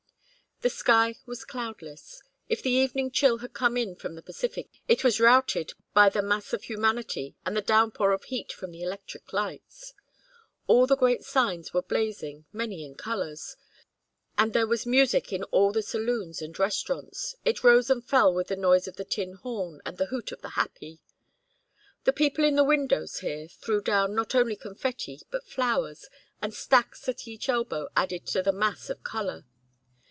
The sky was cloudless. If the evening chill had come in from the Pacific, it was routed by the mass of humanity and the downpour of heat from the electric lights. All the great signs were blazing, many in colors. And there was music in all the saloons and restaurants; it rose and fell with the noise of the tin horn and the hoot of the happy. The people in the windows here threw down not only confetti but flowers, and stacks at each elbow added to the mass of color.